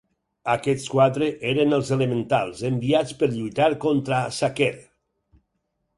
Aquests quatre eren els Elementals, enviats per lluitar contra Saker.